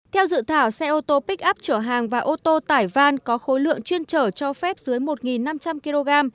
theo dự thảo xe ô tô bích up chở hàng và ô tô tải van có khối lượng chuyên chở cho phép dưới một năm trăm linh kg